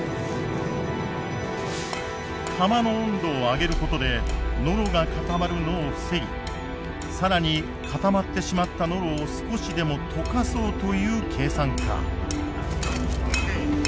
釜の温度を上げることでノロが固まるのを防ぎ更に固まってしまったノロを少しでも溶かそうという計算か。